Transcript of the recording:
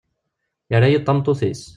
Yerra-iyi d tameṭṭut-is.